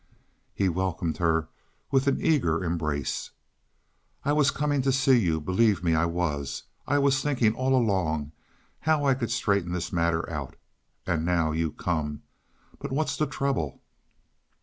He welcomed her with an eager embrace. "I was coming out to see you, believe me, I was. I was thinking all along how I could straighten this matter out. And now you come. But what's the trouble?"